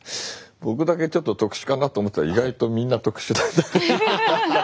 僕だけちょっと特殊かなと思ったら意外とみんな特殊だった。